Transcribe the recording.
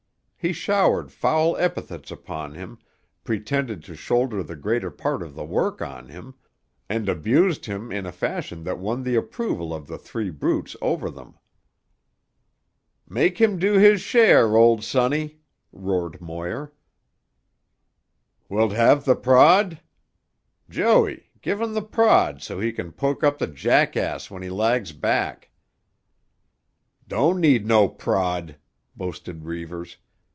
He showered foul epithets upon him, pretended to shoulder the greater part of the work on him, and abused him in a fashion that won the approval of the three brutes over them. "Make him do his share, old sonny," roared Moir. "Wilt have tuh prod? Joey, give him tuh prod so he can poke up tuh jackass when he lags back." "Don't need no prod," boasted Reivers.